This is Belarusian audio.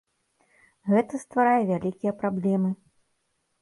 Гэта стварае вялікія праблемы.